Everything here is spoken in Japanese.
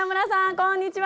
こんにちは！